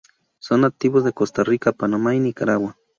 Son nativos de Costa Rica, Panamá y Nicaragua.